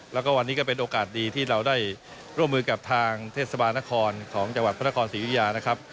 แล้วก็วันนี้ก็เป็นโอกาสดีที่เราได้ร่วมมือกับทางเทศบาลนครของจังหวัดพระนครศรีอุทยานะครับ